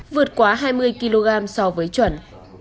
vượt quá hai mươi kg so với chuẩn